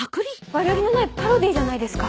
悪気のないパロディーじゃないですか。